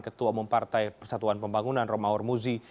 ketua umum partai persatuan pembangunan romah ormuzi